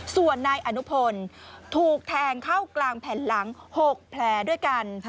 ส่วนนายอนุพลถูกแทงเข้ากลางแผ่นหลัง๖แผลด้วยกัน